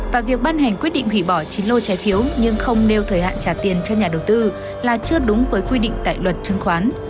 và việc ban hành quyết định hủy bỏ chín lô trái phiếu nhưng không nêu thời hạn trả tiền cho nhà đầu tư là chưa đúng với quy định tại luật chứng khoán